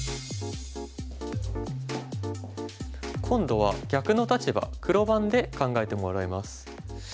今度は逆の立場黒番で考えてもらいます。